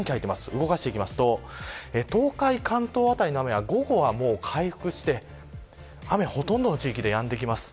動かしますと東海、関東辺りの雨は午後は回復して雨がほとんどの地域でやんできます。